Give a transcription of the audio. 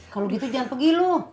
kalau gitu jangan pergi loh